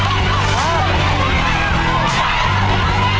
จำนวน๒๒ชุด